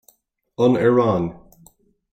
An Iaráin